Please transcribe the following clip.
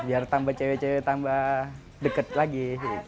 biar tambah cewek cewek tambah deket lagi